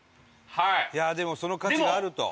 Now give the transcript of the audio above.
いやでもその価値があると。